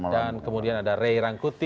dan kemudian ada ray rangkuti